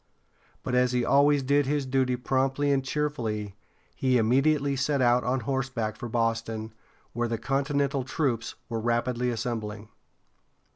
But as he always did his duty promptly and cheerfully, he immediately set out on horseback for Boston, where the continental troops were rapidly assembling.